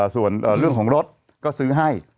ส่วนเรื่องของรถก็ซื้อให้